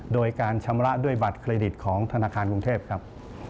โดยการชำระด้วยบัตรเครดิตของธนาคารกรุงเทพครับ